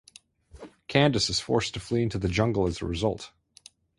Candide is forced to flee into the jungle as a result.